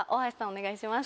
お願いします。